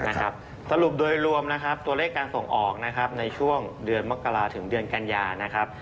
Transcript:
สรุปโดยรวมตัวเลขการส่งออกในช่วงเดือนมกราถึงเดือนกัญญา